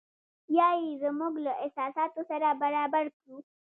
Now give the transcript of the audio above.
یا یې زموږ له احساساتو سره برابر کړو.